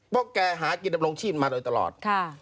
เพราะแกหากินดำรงชีพมาโดยตลอด